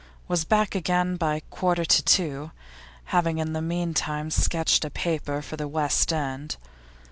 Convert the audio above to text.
Was back again by a quarter to two, having in the meantime sketched a paper for The West End.